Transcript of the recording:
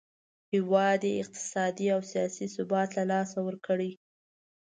هیواد یې اقتصادي او سیاسي ثبات له لاسه ورکړی.